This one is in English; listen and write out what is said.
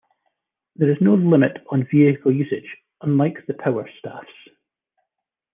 There is no limit on vehicle usage, unlike the power staffs.